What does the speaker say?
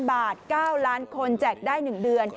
บาท๙ล้านคนแจกได้๑เดือน